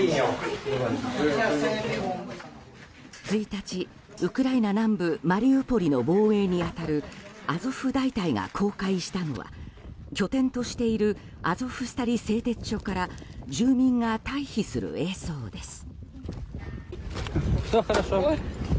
１日、ウクライナ南部マリウポリの防衛に当たるアゾフ大隊が公開したのは拠点としているアゾフスタリ製鉄所から住民が退避する映像です。